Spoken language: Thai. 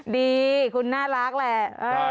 ดีคุณน่ารักแหละ